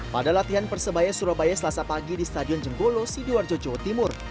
pada latihan persebaya surabaya selasa pagi di stadion jenggolo sidoarjo jawa timur